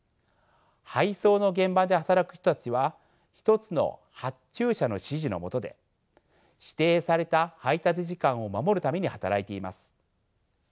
配送の現場で働く人たちは一つの発注者の指示の下で指定された配達時間を守るために働いています。